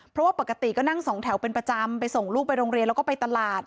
เพราะว่าปกติก็นั่งสองแถวเป็นประจำไปส่งลูกไปโรงเรียนแล้วก็ไปตลาด